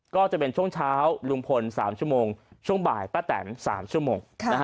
ก็จะเป็นช่วงเช้าลุงพล๓ชั่วโมงช่วงบ่ายป้าแตน๓ชั่วโมง